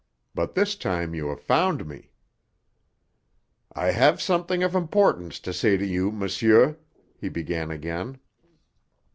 But this time you have found me." "I have something of importance to say to you, monsieur," he began again.